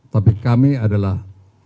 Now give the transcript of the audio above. tapi kami adalah